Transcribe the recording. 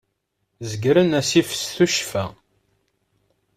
Zeggren assif s tuccfa.